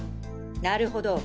なるほど。